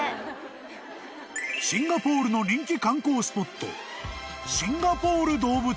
［シンガポールの人気観光スポット］